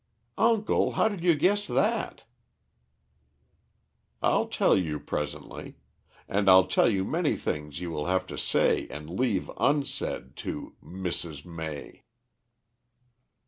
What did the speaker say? "Uncle, how did you guess that?" "I'll tell you presently. And I'll tell you many things you will have to say and leave unsaid to Mrs. May."